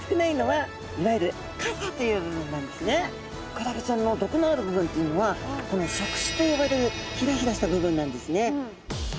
クラゲちゃんの毒のある部分というのはこの触手と呼ばれるヒラヒラした部分なんですね。